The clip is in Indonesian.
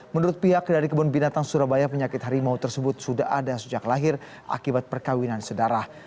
menurut pihak dari kebun binatang surabaya penyakit harimau tersebut sudah ada sejak lahir akibat perkawinan sedarah